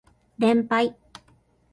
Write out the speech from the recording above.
連敗